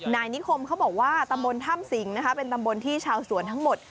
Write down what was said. นายนิคมเขาบอกว่าตำบลถ้ำสิงนะคะเป็นตำบลที่ชาวสวนทั้งหมด